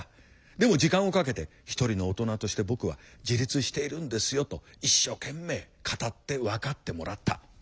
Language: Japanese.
でも時間をかけて「一人の大人として僕は自立しているんですよ」と一生懸命語って分かってもらった。